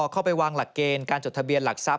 เข้าไปวางหลักเกณฑ์การจดทะเบียนหลักทรัพย